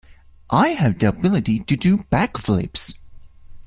I have the ability to do backflips.